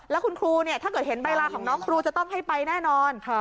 แล้วคุณครูเนี่ยถ้าเกิดเห็นใบลาของน้องครูจะต้องให้ไปแน่นอน